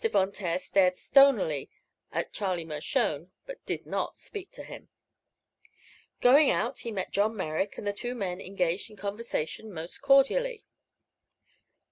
Von Taer stared stonily at Charlie Mershone, but did not speak to him. Going out he met John Merrick, and the two men engaged in conversation most cordially.